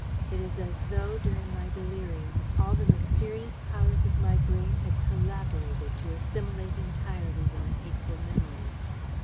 It is as though, during my delirium, all the mysterious powers of my brain had collaborated to assimilate entirely those hateful memories.